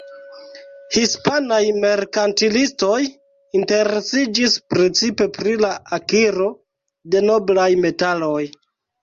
Hispanaj merkantilistoj interesiĝis precipe pri la akiro de noblaj metaloj.